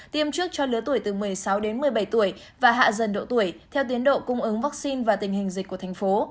tiêm trước cho lứa tuổi từ một mươi sáu đến một mươi bảy tuổi và hạ dần độ tuổi theo tiến độ cung ứng vaccine và tình hình dịch của thành phố